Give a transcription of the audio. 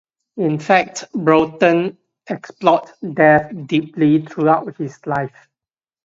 In fact, Broughton explored death deeply throughout his life.